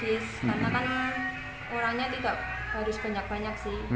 karena kan orangnya tidak harus banyak banyak sih